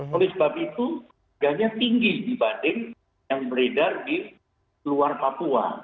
oleh sebab itu ganya tinggi dibanding yang beredar di luar papua